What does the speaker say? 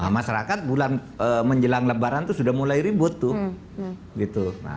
masyarakat bulan menjelang lebaran itu sudah mulai ribut tuh